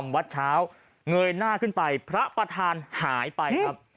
วัดเช้าเงยหน้าขึ้นไปพระประธานหายไปครับ